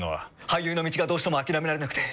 俳優の道がどうしても諦められなくて。